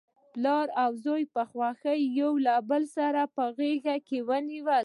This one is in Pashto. پلار او زوی په خوښۍ سره یو بل په غیږ کې ونیول.